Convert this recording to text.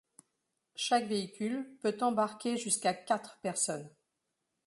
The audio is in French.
Chaque véhicule peut embarquer jusqu'à quatre personnes.